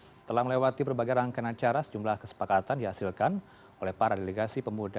setelah melewati berbagai rangkaian acara sejumlah kesepakatan dihasilkan oleh para delegasi pemuda